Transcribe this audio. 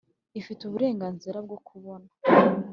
ifite uburenganzira bwo kubona